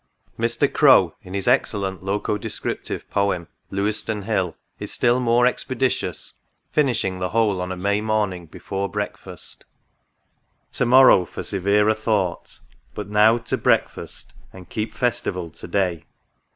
Mr. Crowe, in his excellent loco descriptive Poem, " Lewesdon Hill," is still more expeditious, finishing the whole on a May morning, before breakfast. " To morrow for severer thought, but now To breakfast, and keep festival to day."